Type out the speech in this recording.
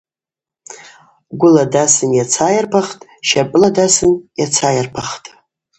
Гвыла дасын йацайырпахтӏ, щапӏыла дасын—йацайырпахтӏ.